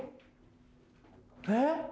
えっ？